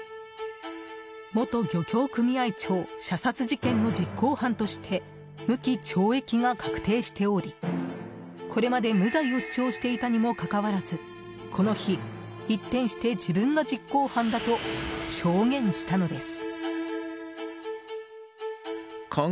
元漁協組合長射殺事件の実行犯として無期懲役が確定しておりこれまで無罪を主張していたにもかかわらずこの日、一転して自分が実行犯だと証言したのです。